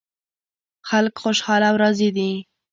خلک خوشحال او راضي دي